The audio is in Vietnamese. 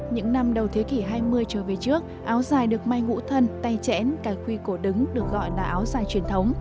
những năm đầu thế kỷ hai mươi trở về trước áo dài được may ngũ thân tay chẽn cài khuy cổ đứng được gọi là áo dài truyền thống